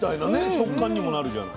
食感にもなるじゃない。